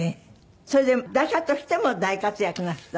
それで打者としても大活躍なすった。